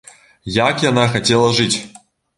Як яна хацела жыць!